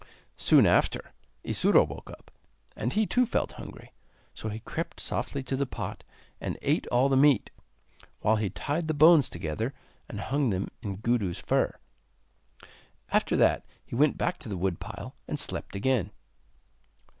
Soon after, Isuro woke up, and he too felt hungry, so he crept softly to the pot and ate all the meat, while he tied the bones together and hung them in Gudu's fur. After that he went back to the wood pile and slept again.